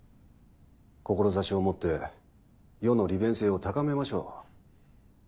志を持って世の利便性を高めましょう。